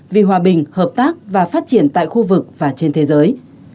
vì hòa bình hợp tác và phát triển tại khu vực và trên thế giới